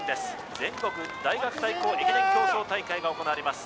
全国大学対校駅伝競走大会が行われます